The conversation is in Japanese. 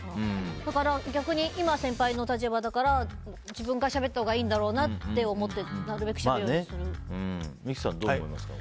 だから、逆に今先輩の立場だから自分からしゃべったほうがいいんだろうなと思って三木さん、どう思いますか。